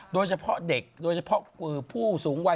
โดยเฉพาะเด็กโดยเฉพาะผู้สูงวัย